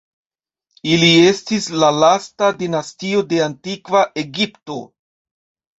Ili estis la lasta dinastio de Antikva Egipto.